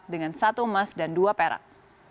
dengan satu emas dan dua perak